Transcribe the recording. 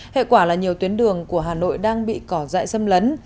hệ quả là nhiều tuyến đường của hà nội đang bị cỏ dại xâm lấn